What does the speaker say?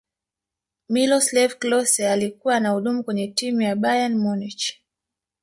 miloslav klose alikuwa anahudumu kwenye timu ya bayern munich